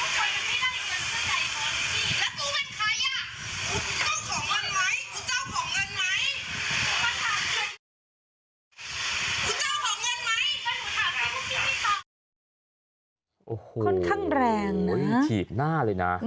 ค่อนข้างแรงถีบหน้าเลยนะ